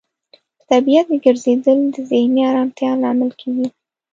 په طبیعت کې ګرځیدل د ذهني آرامتیا لامل کیږي.